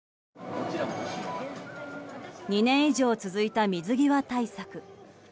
２年以上続いた、水際対策。